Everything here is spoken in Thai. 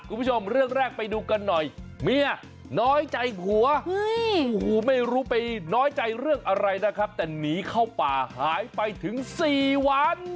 คุณผู้ชมเรื่องแรกไปดูกันหน่อยเมียน้อยใจผัวโอ้โหไม่รู้ไปน้อยใจเรื่องอะไรนะครับแต่หนีเข้าป่าหายไปถึง๔วัน